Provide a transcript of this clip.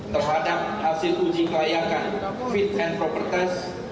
terhadap hasil uji kelayakan fit and propertas